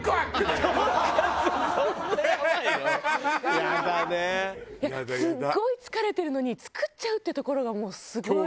いやすごい疲れてるのに作っちゃうっていうところがもうすごい。